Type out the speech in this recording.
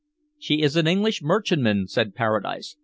"She is an English merchantman," said Paradise.